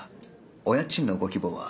お家賃のご希望は。